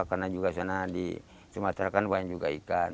karena juga sana di sumatera kan banyak juga ikan